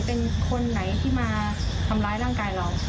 เป็นคนไหนที่มาทำร้ายร่างกายเรา